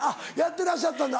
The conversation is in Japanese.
てらっしゃったんだ